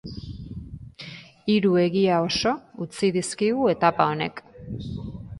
Hiru egia oso utzi dizkigu etapa honek.